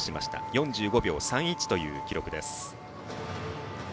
４５秒３１という記録です。